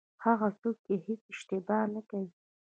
هغه څوک چې هېڅ اشتباه نه کوي.